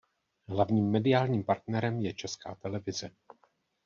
Hlavním mediálním partnerem je Česká televize.